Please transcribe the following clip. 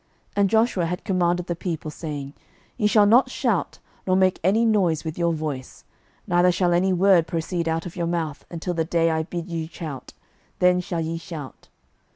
06:006:010 And Joshua had commanded the people, saying, Ye shall not shout, nor make any noise with your voice, neither shall any word proceed out of your mouth, until the day I bid you shout; then shall ye shout.